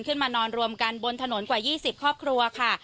นอนรวมกันบนถนนกว่า๒๐ครอบครัวค่ะ